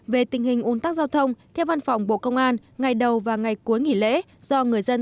về tình hình ủn tắc giao thông theo văn phòng bộ công an ngày đầu và ngày cuối nghỉ lễ do người dân